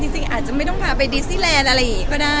จริงอาจจะไม่ต้องพาไปดิสหนิแลน์อะไรก็ได้